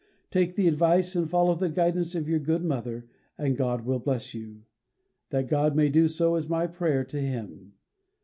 Take the advice and follow the guidance of your good Mother, and God will bless you. That God may do so is my prayer to Him.